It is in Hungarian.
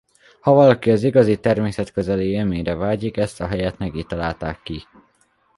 Ha valaki az igazi természetközeli élményre vágyik ezt a helyet neki találták ki.